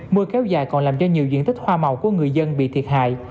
mưa kéo dài còn làm cho nhiều diện tích hoa màu của người dân bị thiệt hại